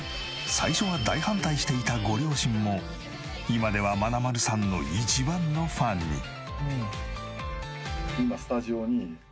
最初は大反対していたご両親も今ではまなまるさんの一番のファンに。